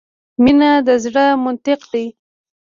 مینه د زړه منطق ده .